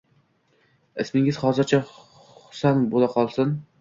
Ismingiz hozircha Husan bo`laqolsin